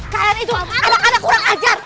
karena itu anak anak kurang ajar